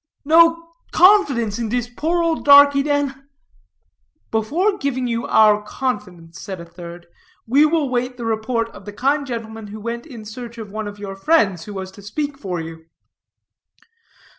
"No confidence in dis poor ole darkie, den?" "Before giving you our confidence," said a third, "we will wait the report of the kind gentleman who went in search of one of your friends who was to speak for you."